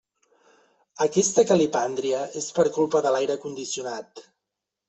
Aquesta calipàndria és per culpa de l'aire condicionat.